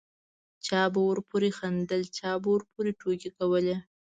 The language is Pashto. چا به ورپورې خندل چا به ورپورې ټوکې کولې.